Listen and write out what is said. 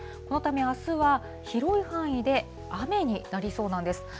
そのため、あすは広い範囲で雨になりそうなんです。